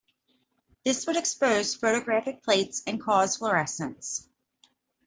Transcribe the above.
This would expose photographic plates and cause fluorescence.